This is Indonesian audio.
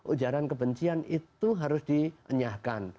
ujaran kebencian itu harus dinyahkan